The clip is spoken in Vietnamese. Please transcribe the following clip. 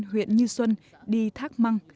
huyện như xuân đi thác măng